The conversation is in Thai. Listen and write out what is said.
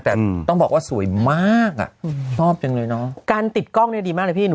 แต่ต้องบอกว่าสวยมากอ่ะชอบจังเลยเนอะการติดกล้องเนี้ยดีมากเลยพี่หนู